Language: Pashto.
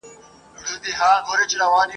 او سره له هغه چي تقر یباً ټول عمر یې ..